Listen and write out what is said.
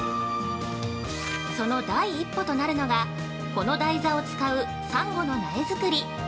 その第一歩となるのが、この台座を使うサンゴの苗作り。